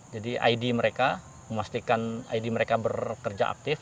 jadi id mereka memastikan id mereka bekerja aktif